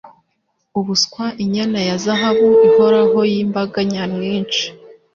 Ubuswa inyana ya zahabu ihoraho y'imbaga nyamwinshi